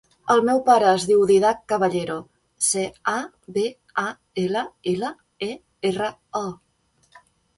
El meu pare es diu Dídac Caballero: ce, a, be, a, ela, ela, e, erra, o.